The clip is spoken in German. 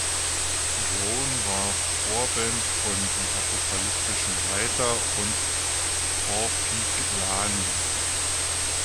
Drone war Vorband von Die Apokalyptischen Reiter und Korpiklaani.